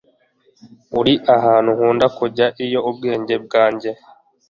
Uri ahantu nkunda kujya iyo ubwenge bwanjye